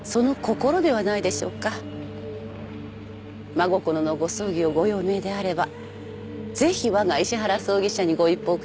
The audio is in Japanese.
真心のご葬儀をご用命であればぜひわが石原葬儀社にご一報ください。